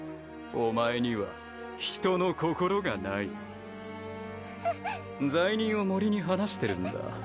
お前には人の心がない・罪人を森に放してるんだ